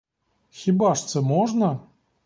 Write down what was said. Хіба ж це можна?